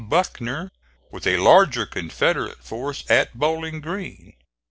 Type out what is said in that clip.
Buckner with a larger Confederate force at Bowling Green.